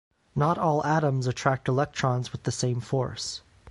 Not all atoms attract electrons with the same force.